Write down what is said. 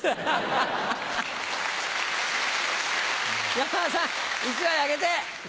山田さん１枚あげて！